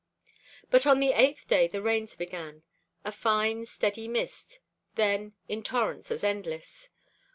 But on the eighth day the rains began: a fine steady mist, then in torrents as endless.